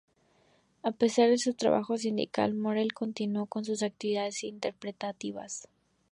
A pesar de su trabajo sindical, Morell continuo son su actividad interpretativa.